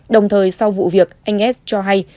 đồng thời sau vụ việc anh s cho hay